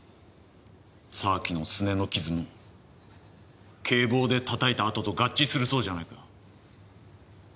沢木のスネの傷も警棒で叩いた跡と合致するそうじゃないか。